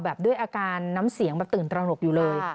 ด้วยอาการน้ำเสียงแบบตื่นตระหนกอยู่เลย